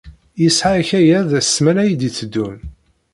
Yesɛa akayad ssmana i d-iteddun.